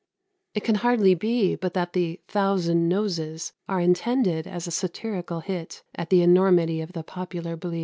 " It can hardly be but that the "thousand noses" are intended as a satirical hit at the enormity of the popular belief.